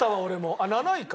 あっ７位か。